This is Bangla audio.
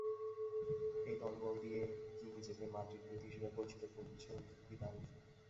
এ দলবদল দিয়ে কি নিজেকে মাদ্রিদ বিরোধী হিসেবেই পরিচিত করছেন ভিদাল?